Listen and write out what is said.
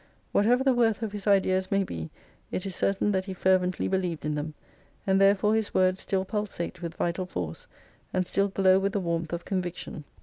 Whatever the worth of his ideas may be, it is certain that he fervently believed in them ; and therefore his words still pulsate with vital force, and still glow with the warmth of con viction.